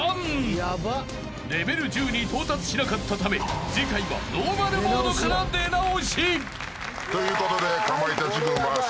［レベル１０に到達しなかったため次回はノーマルモードから出直し］ということで。